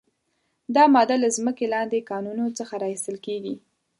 دا ماده له ځمکې لاندې کانونو څخه را ایستل کیږي.